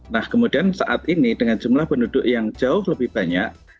nah kemudian saat ini dengan jumlah penduduk yang jauh lebih banyak